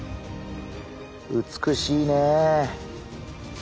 美しいねえ。